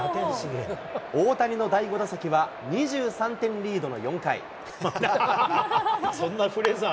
大谷の第５打席は、２３点リードの４回。